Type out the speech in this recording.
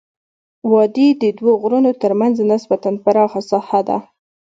وادي د دوه غرونو ترمنځ نسبا پراخه ساحه ده.